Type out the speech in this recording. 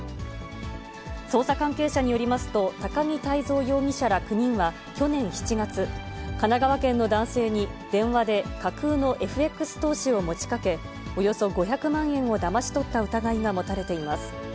捜査関係者によりますと、高木汰以蔵容疑者ら９人は、去年７月、神奈川県の男性に電話で架空のＦＸ投資を持ちかけ、およそ５００万円をだまし取った疑いが持たれています。